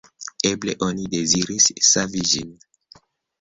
Eble oni deziris savi ĝin.